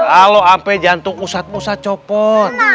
lalu sampai jantung ustadz musa copot